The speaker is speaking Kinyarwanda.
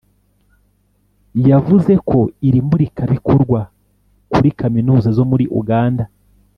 yavuze ko iri murikabikorwa kuri Kaminuza zo muri Uganda